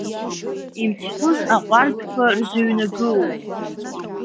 Имцхәыз аҟәардәқәа рзыҩнагылоуп.